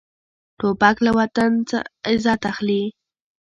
توپک له وطن عزت اخلي.